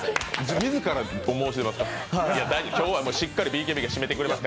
自ら申し出ますか？